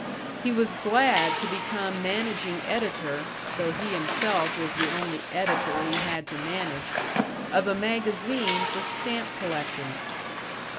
He was glad to become managing editor (though he himself was the only editor he had to manage) of a magazine for stamp collectors.